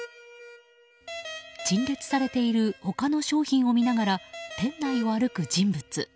陳列されている他の商品を見ながら店内を歩く人物。